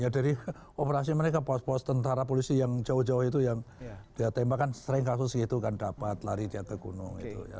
ya dari operasi mereka pos pos tentara polisi yang jauh jauh itu yang dia tembakan sering kasus gitu kan dapat lari dia ke gunung itu